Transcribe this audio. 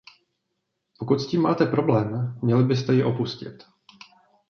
Pokud s tím máte problém, měli byste ji opustit!